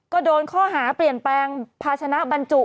ก็โดนข้อหาเปลี่ยนแปลงภาชนะบรรจุ